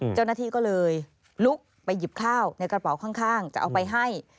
เจ้าหน้าที่ก็เลยลุกไปหยิบข้าวในกระเป๋าข้างจะเอาไปให้